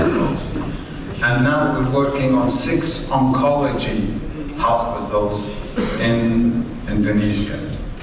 dan sekarang kami bekerja di enam hospital onkologi di indonesia